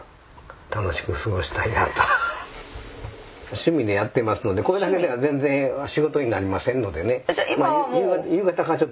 趣味でやってますのでこれだけでは全然仕事になりませんのでね。